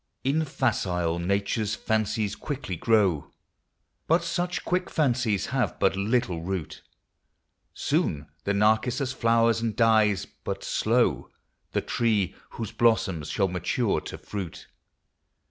In facile natures fancies quickly grow, But such quick fancies have # but little root. Soon the narcissus flowers and dies, but slow The tree whose blossoms shall mature to fruit.